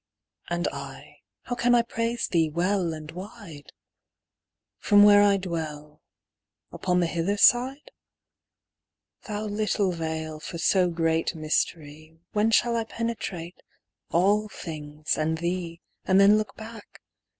And I, how can I praise thee well and wide From where I dwell — upon the hither side ? Thou little veil for so great mystery. When shall I penetrate all things and thee, And then look back